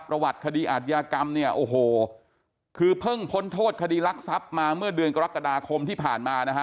ประวัติคดีอาทยากรรมเนี่ยโอ้โหคือเพิ่งพ้นโทษคดีรักทรัพย์มาเมื่อเดือนกรกฎาคมที่ผ่านมานะฮะ